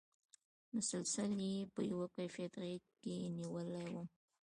مسلسل یې په یوه کیفیت غېږ کې نېولی وم.